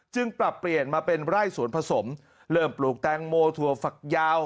ปรับเปลี่ยนมาเป็นไร่สวนผสมเริ่มปลูกแตงโมถั่วฝักยาว